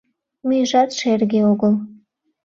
Мӱйжат шерге огыл.